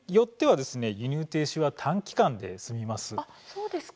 そうですか。